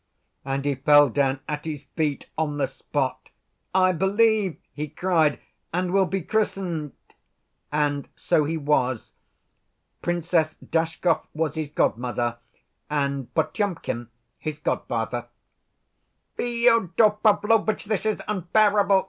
And he fell down at his feet on the spot. 'I believe,' he cried, 'and will be christened.' And so he was. Princess Dashkov was his godmother, and Potyomkin his godfather." "Fyodor Pavlovitch, this is unbearable!